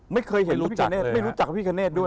ไม่เคยเห็นพระพิกเงศไม่รู้จักพระพิกเงศด้วย